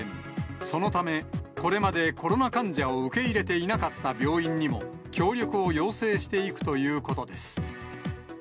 そのため、これまでコロナ患者を受け入れていなかった病院にも、協力を要請していくということです。